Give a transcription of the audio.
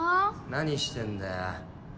何してんだよ。